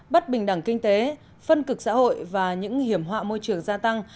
bất bình đẳng kinh tế phân cực xã hội và những hiểm họa môi trường gia tăng